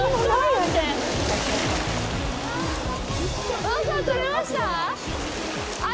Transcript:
お父さん、取れました？